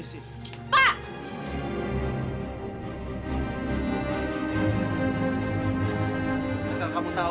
asal kamu tahu